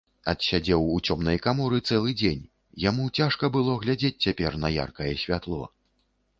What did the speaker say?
Адсядзеў у цёмнай каморы цэлы дзень, яму цяжка было глядзець цяпер на яркае святло.